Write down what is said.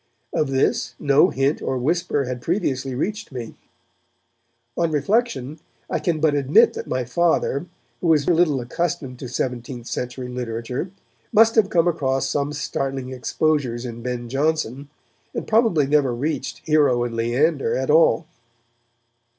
Of this no hint or whisper had previously reached me. On reflection, I can but admit that my Father, who was little accustomed to seventeenth century literature, must have come across some startling exposures in Ben Jonson, and probably never reached 'Hero and Leander' at all.